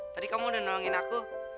tadi kamu udah nolongin aku